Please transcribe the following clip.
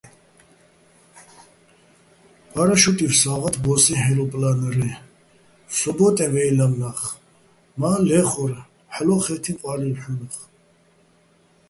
პა́რაშუტივ სა́ღათ ბო́სსეჼ ჰე́როპლა́ნრეჼ, სო ბო́ტეჼ ვაჲ ლამნა́ხ, მა, ლე́ხორე́, ჰ̦ალო̆ ხე́თიჼ ყვა́რილ ჰ̦უნახ.